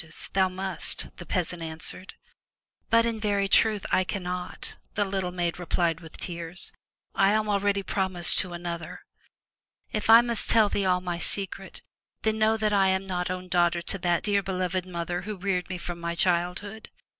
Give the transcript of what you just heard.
Thou must, '* the peasant answered. "But, in very truth, I cannot," the little maid replied with tears. "I am already promised to another. If I must tell thee all my secret, then know that I am not own daughter to that dear beloved mother who reared me from my childhood.